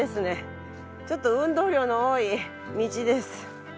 ちょっと運動量の多い道です。